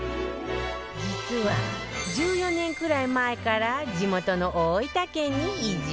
実は１４年くらい前から地元の大分県に移住